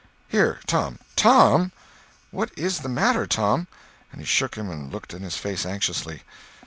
] "Here, Tom! TOM! What is the matter, Tom?" And he shook him and looked in his face anxiously.